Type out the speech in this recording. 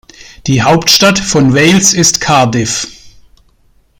Die Hauptstadt von Wales ist Cardiff.